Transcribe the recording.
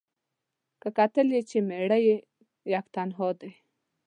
که کتل یې چي مېړه یې یک تنها دی